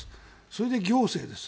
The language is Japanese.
それで行政です。